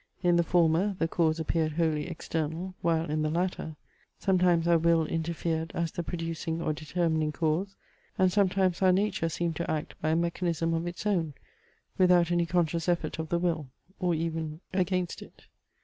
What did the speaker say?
In the former, the cause appeared wholly external, while in the latter, sometimes our will interfered as the producing or determining cause, and sometimes our nature seemed to act by a mechanism of its own, without any conscious effort of the will, or even against it.